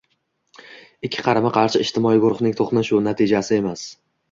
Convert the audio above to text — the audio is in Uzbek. ikki qarama-qarshi ijtimoiy guruhning to‘qnashuvi natijasi emas.